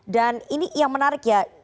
dan ini yang menarik ya